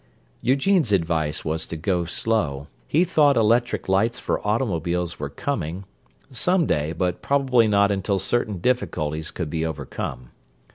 Eugene's advice was to "go slow": he thought electric lights for automobiles were "coming—someday but probably not until certain difficulties could be overcome."